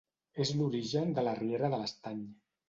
És l'origen de la Riera de l'Estany.